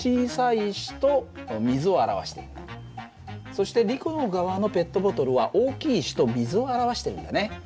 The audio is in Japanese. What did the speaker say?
そしてリコの側のペットボトルは大きい石と水を表してるんだね。